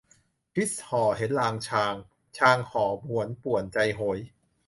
พิศห่อเห็นรางชาง ห่างห่อหวนป่วนใจโหย